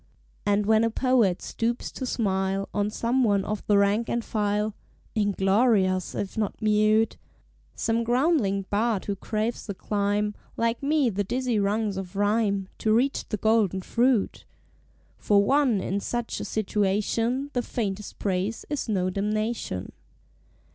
And when a Poet stoops to smile On some one of the rank and file, (Inglorious if not mute,) Some groundling bard who craves to climb, Like me, the dizzy rungs of Rhyme, To reach the Golden Fruit; For one in such a situation The faintest praise is no damnation.